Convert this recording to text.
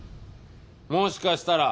「もしかしたら」